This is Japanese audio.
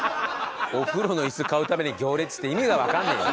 お風呂の椅子買うために行列って意味がわかんねえよ！